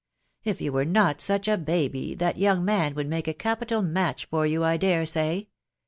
If you were not such a baby, that young man would make a capital match for you, I dare say.